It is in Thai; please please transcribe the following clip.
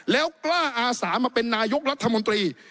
แล้วกล้าอาสามาเป็นนายกรัฐมนตรี